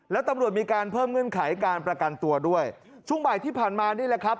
แล้วตำรวจมีการเพิ่มเงื่อนไขการประกันตัวด้วยช่วงบ่ายที่ผ่านมานี่แหละครับ